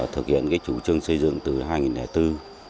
thực hiện chủ trương xây dựng từ hai nghìn bốn